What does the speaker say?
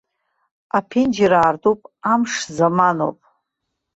Аԥенџьыр аартуп, амш заманоуп.